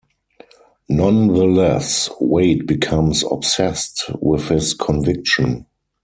Nonetheless, Wade becomes obsessed with his conviction.